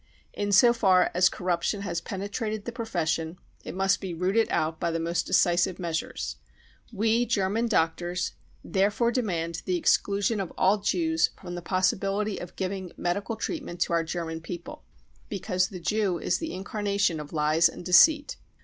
In so far as corruption has penetrated the profession, it must be rooted out by the most decisive measured. We German doctors therefore demand the exclusion of all Jews from the possibility of giving medical treatment to our German people, because the Jew is the incarnation of lies and deceit.